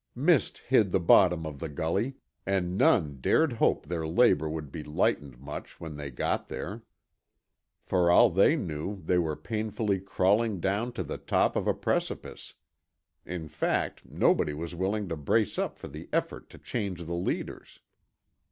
Mist hid the bottom of the gully and none dared hope their labor would be lightened much when they got there. For all they knew they were painfully crawling down to the top of a precipice. In fact nobody was willing to brace up for the effort to change the leaders.